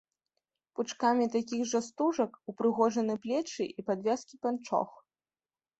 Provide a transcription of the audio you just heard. Пучкамі такіх жа стужак упрыгожаны плечы і падвязкі панчох.